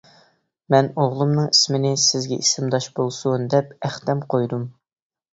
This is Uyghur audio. -مەن ئوغلۇمنىڭ ئىسمىنى سىزگە ئىسىمداش بولسۇن دەپ ئەختەم قويدۇم.